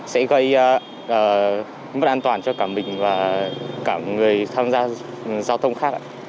sẽ gây mất an toàn cho cả mình và cả người tham gia giao thông khác ạ